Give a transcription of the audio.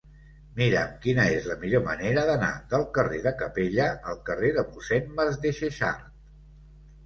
Mira'm quina és la millor manera d'anar del carrer de Capella al carrer de Mossèn Masdexexart.